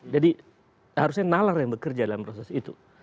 jadi harusnya nalar yang bekerja dalam proses itu